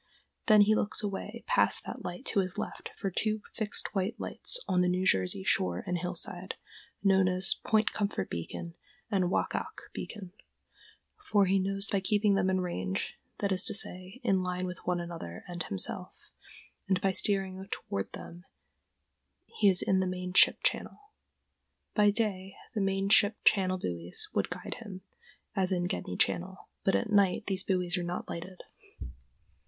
Then he looks away past that light to his left for two fixed white lights on the New Jersey shore and hillside, known as Point Comfort Beacon and Waackaack Beacon, for he knows that by keeping them in range, that is to say, in line with one another and himself, and by steering toward them he is in the main ship channel. By day the main ship channel buoys would guide him, as in Gedney Channel, but at night these buoys are not lighted.